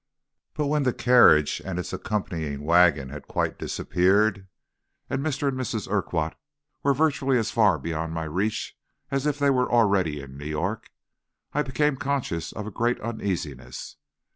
But when the carriage and its accompanying wagon had quite disappeared, and Mr. and Mrs. Urquhart were virtually as far beyond my reach as if they were already in New York, I became conscious of a great uneasiness.